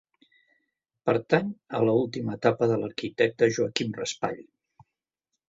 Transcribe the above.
Pertany a l'última etapa de l'arquitecte Joaquim Raspall.